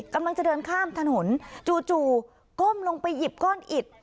กำลังจะเดินข้ามถนนจู่ก้มลงไปหยิบก้อนอิด